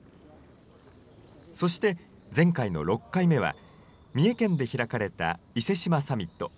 そして、前回の６回目は、三重県で開かれた伊勢志摩サミット。